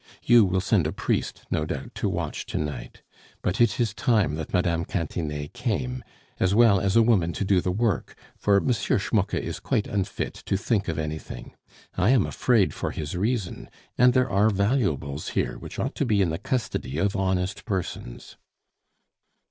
You will send a priest, no doubt, to watch to night. But it is time that Mme. Cantinet came, as well as a woman to do the work, for M. Schmucke is quite unfit to think of anything: I am afraid for his reason; and there are valuables here which ought to be in the custody of honest persons."